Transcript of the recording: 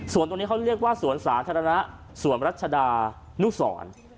ส่วนตรงนี้เขาเรียกว่าสวนสาธารณะสวนรัชดานุสร